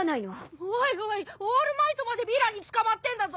おいおいオールマイトまでヴィランに捕まってんだぞ！